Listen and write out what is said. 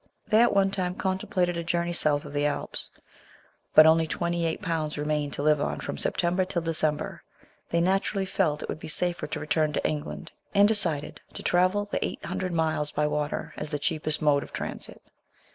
They at one time contem plated a journey south of the Alps, but, only twenty eight pounds remaining to live on from September till December, they naturally felt it would be safer to return to England, and decided to travel the eight hundred miles by water as the cheapest mode of transit.